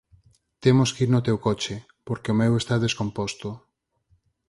Temos que ir no teu coche, porque o meu está descomposto